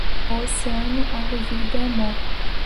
O oceano, a rugir d'amor